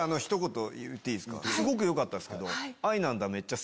すごくよかったんですけど。